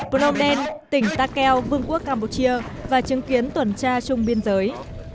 plomden tỉnh takeo vương quốc campuchia và chứng kiến tuần tra chung biên giới